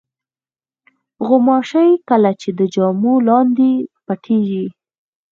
غوماشې کله د جامو لاندې پټېږي.